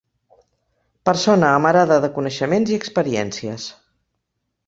Persona amarada de coneixements i experiències.